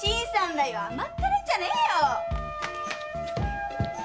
甘ったれんじゃねえよ‼